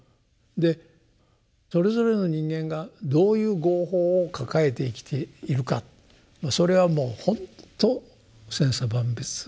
でそれぞれの人間がどういう「業報」を抱えて生きているかそれはもうほんと千差万別でしょうね。